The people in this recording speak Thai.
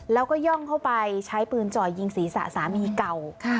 แล้วก็ย่องเข้าไปใช้ปืนจ่อยยิงศีรษะสามีเก่า